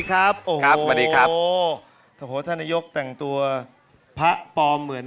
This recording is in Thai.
ตอนนี้เราเจอ